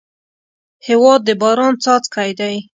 هېواد د باران څاڅکی دی.